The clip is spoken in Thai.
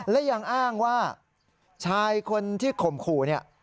และยังอ้างว่าชายคนที่ข่มขู่เนี่ย